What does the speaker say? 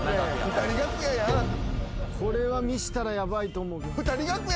これは見したらヤバいと思う。